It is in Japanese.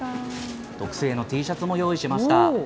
特製のＴシャツも用意しました。